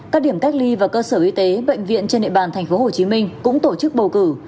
các điểm cách ly và cơ sở y tế bệnh viện trên địa bàn thành phố hồ chí minh cũng tổ chức bầu cử